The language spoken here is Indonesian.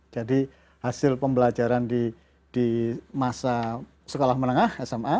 jadi hasil pembelajaran di masa sekolah menengah